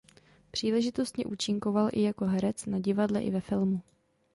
Příležitostně účinkoval i jako herec na divadle i ve filmu.